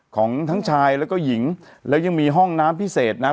ของทั้งชายแล้วก็หญิงแล้วยังมีห้องน้ำพิเศษนะครับ